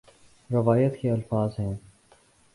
روایت کے الفاظ ہیں